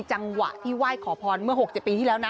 จังหวะที่ไหว้ขอพรเมื่อ๖๗ปีที่แล้วนะ